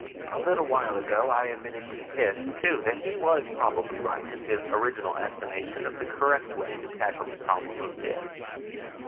A little while ago I admitted to Hys too that he was probably right in his original estimation of the correct way to tackle the problem of Dis.